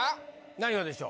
何がでしょう？